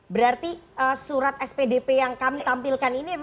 berarti surat spdp yang kami tampilkan ini